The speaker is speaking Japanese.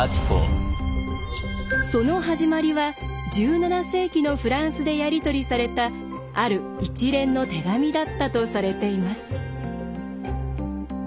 その始まりは１７世紀のフランスでやり取りされたある一連の手紙だったとされています。